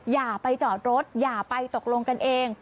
อย่าไปจอดรถอย่าไปตกลงกันเอง